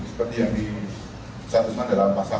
seperti yang disatukan dalam pasal satu ratus delapan puluh empat dua